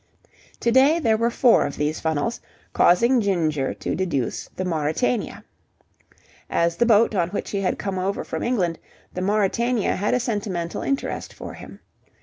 To day there were four of these funnels, causing Ginger to deduce the Mauritania. As the boat on which he had come over from England, the Mauritania had a sentimental interest for him.